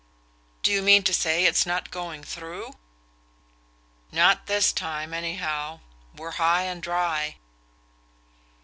"Do you mean to say it's not going through?" "Not this time, anyhow. We're high and dry."